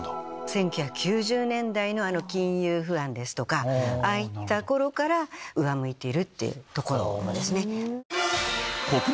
１９９０年代の金融不安とかああいった頃から上向いているっていうところですね。